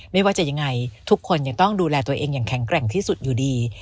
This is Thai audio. ไม่ว่าจะยังไงทุกคนยังต้องดูแลตัวเองอย่างแข็งแกร่งที่สุดอยู่ดี